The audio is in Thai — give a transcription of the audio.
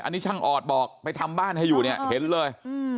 อันนี้ช่างออดบอกไปทำบ้านให้อยู่เนี่ยเห็นเลย